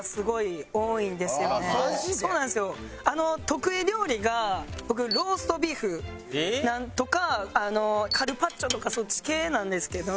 得意料理が僕ローストビーフとかカルパッチョとかそっち系なんですけど。